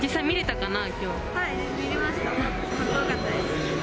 かっこよかったです。